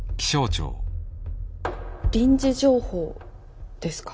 臨時情報ですか？